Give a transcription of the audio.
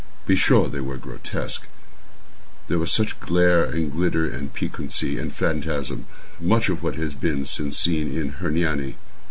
Be sure they were grotesque. There were much glare and glitter and piquancy and phantasm—much of what has been since seen in "Hernani."